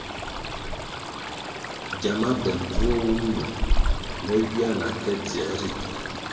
Gyama be mbvuo wum nwo me ywia na ke dziē ritu.